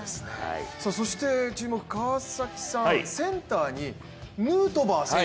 そして注目、川崎さん、センターに、ヌートバー選手。